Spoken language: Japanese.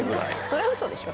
それはウソでしょ？